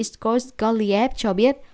scott goliath cho biết